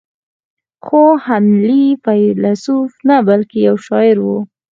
خو هنلي فيلسوف نه بلکې يو شاعر و.